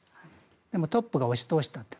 でもトップが押し通した。